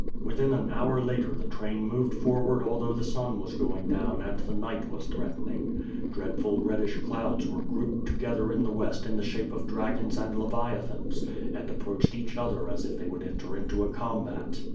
Within an hour later the train moved forward although the sun was going down and the night was threatening. WITH FIRE AND SWORD. j^^ Dreadful redclii?h clouds were grouped together in the west in the shape of dragons and leviathans, and approached each other as if tliey would enter into a combat.